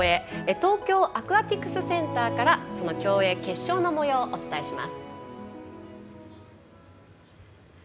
東京アクアティクスセンターから競泳決勝のもようをお伝えします。